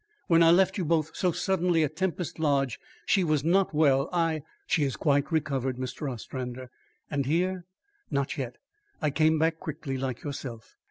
When I left you both so suddenly at Tempest Lodge, she was not well. I " "She is quite recovered, Mr. Ostrander." "And is here?" "Not yet. I came back quickly like yourself."